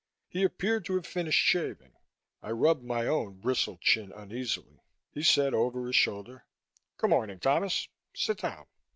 He appeared to have finished shaving. I rubbed my own bristled chin uneasily. He said over his shoulder, "Good morning, Thomas. Sit down."